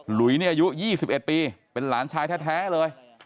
หลุยเนี่ยอายุยี่สิบเอ็ดปีเป็นหลานชายแท้แท้เลย